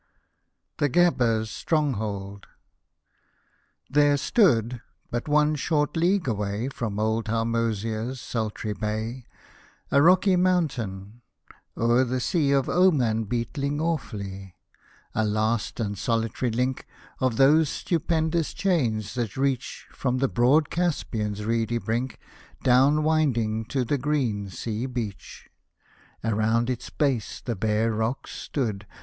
THE GHEBER'S STRONGHOLD There stood — but one short league away From old Harmozia'S sultry bay — A rocky mountain, o'er the Sea Of Oman beting awfully ; A last and soHtary link Of those stupendous chains that reach From the broad Caspian's reedy brink Down winding to the Green Sea beach. Around its base the bare rocks stood.